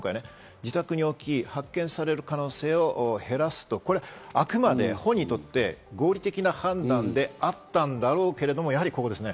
そこに置き、発見される可能性を減らす、これはあくまでも本人にとっては合理的な判断であったんだろうということです。